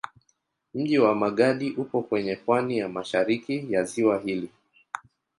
Mji wa Magadi upo kwenye pwani ya mashariki ya ziwa hili.